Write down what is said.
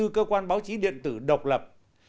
hai mươi bốn cơ quan báo chí điện tử độc lập